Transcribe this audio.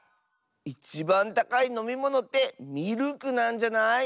いちばんたかいのみものってミルクなんじゃない？